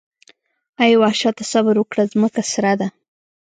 اې وحشته صبر وکړه ځمکه سره ده.